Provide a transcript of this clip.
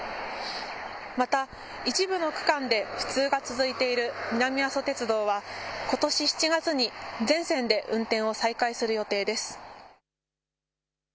また、一部の区間で不通が続いている南阿蘇鉄道は、ことし７月に全線で運転を再開する予定です。